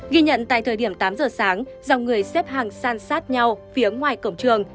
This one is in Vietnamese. ghi nhận tại thời điểm tám giờ sáng dòng người xếp hàng san sát nhau phía ngoài cổng trường